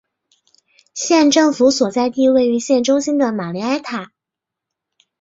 县政府所在地位于县中心的玛丽埃塔。